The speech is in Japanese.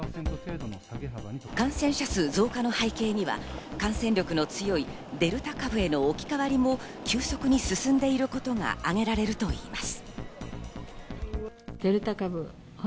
感染者数、増加の背景には感染力の強いデルタ株への置き換わりも急速に進んでいることが挙げられるといいます。